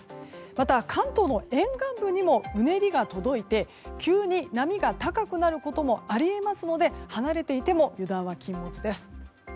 また、関東の沿岸部にもうねりが届いて急に波が高くなることもあり得ますので離れていても油断は禁物です。